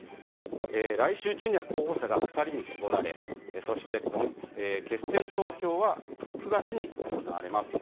来週中には候補者が２人に絞られそして決選投票は９月に行われます。